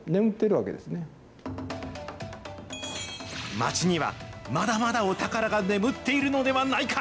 街にはまだまだお宝が眠っているのではないか。